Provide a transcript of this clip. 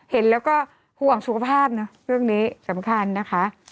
เห็นแล้วก็ห่วงสุขภาพนะเรื่องนี้สำคัญนะคะ